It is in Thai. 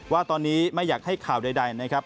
ว่าตอนนี้ไม่อยากให้ข่าวใดนะครับ